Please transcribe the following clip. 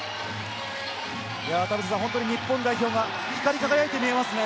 日本代表が光り輝いて見えますね。